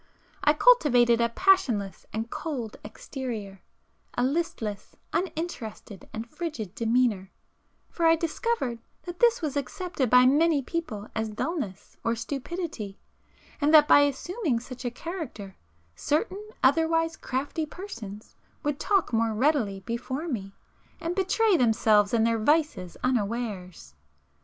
I cultivated a passionless and cold exterior,—a listless, uninterested and frigid demeanor,—for I discovered that this was accepted by many people as dullness or stupidity, and that by assuming such a character, certain otherwise crafty persons would talk more readily before me, and betray themselves and their vices unawares.